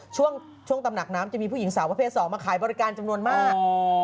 ช่วงตำหนักน้ำจะมีผู้หญิงสาวประเภท๒มาขายบริการจำนวนมาก